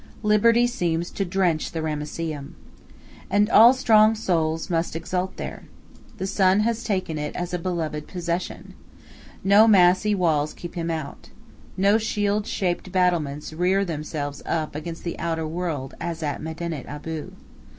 Liberty seems to drench the Ramesseum. And all strong souls must exult there. The sun has taken it as a beloved possession. No massy walls keep him out. No shield shaped battlements rear themselves up against the outer world as at Medinet Abu.